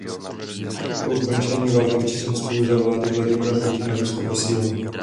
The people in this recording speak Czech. Po ukončení války v Čečensku za vlády Vladimira Putina Rusko posílilo.